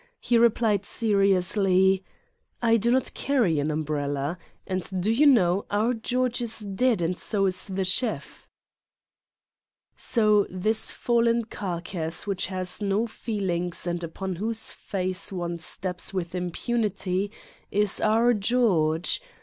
He replied seriously: " I do not carry an umbrella. And do you know, our George is dead and so is the chef." So, this fallen carcass which has no feelings and upon whose face one steps with impunity is our George